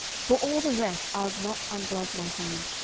For all the rest I'ld not unglove my hand.